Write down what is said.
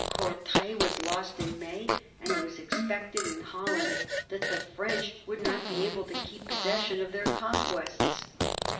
Courtray was lost in May, and it was expected in Holland that the French would not be able to keep possession of their conquests.